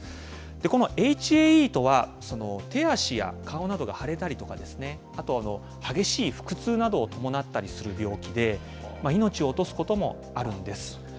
このＨＡＥとは、手足や顔などが腫れたりとかですね、あとは激しい腹痛などを伴ったりする病気で、命を落とすこともあるんです。